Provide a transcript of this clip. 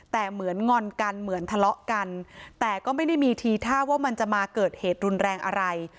แต่เหมือนงอนกันเหมือนทะเลาะกันแต่ก็ไม่ได้มีทีท่าว่ามันจะมาเกิดเหตุรุนแรงอะไร